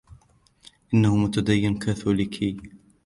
إنهُ متدين كاثوليكي.